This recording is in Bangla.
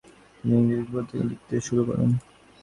তিনি ইংরেজি পত্রপত্রিকায় লিখতে শুরু করেন।